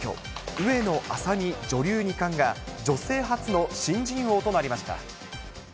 上野愛咲美女流二冠が女性初の新人王となりました。